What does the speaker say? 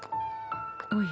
おや？